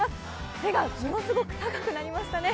背がものすごく高くなりましたね。